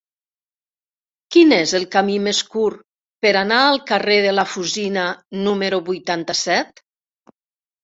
Quin és el camí més curt per anar al carrer de la Fusina número vuitanta-set?